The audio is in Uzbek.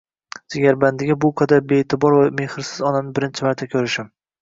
Jigarbandiga bu qadar bee`tibor va mehrsiz onani birinchi marta ko`rishim